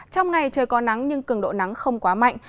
trong ngày trời có nắng nhưng cường độ nắng không quá mạnh